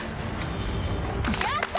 やった！